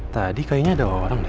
tadi kayaknya ada orang